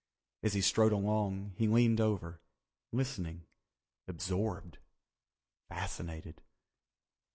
As he strode along, he leaned over, listening—absorbed, fascinated.